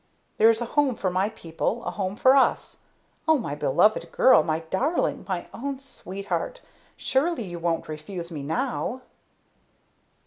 There is a home for my people a home for us! Oh, my beloved girl! My darling! My own sweetheart! Surely you won't refuse me now!"